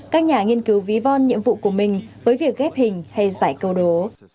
các nhà nghiên cứu ví von nhiệm vụ của mình với việc ghép hình hay giải câu đố